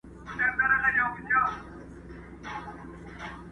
پاڅېدلی خروښېدلی په زمان کي؛